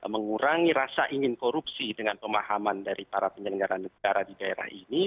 mengurangi rasa ingin korupsi dengan pemahaman dari para penyelenggara negara di daerah ini